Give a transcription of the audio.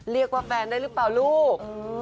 เรียกว่าแฟนได้หรือเปล่าลูก